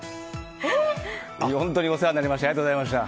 本当にお世話になりましてありがとうございました。